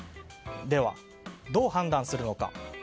では、どう判断するのか。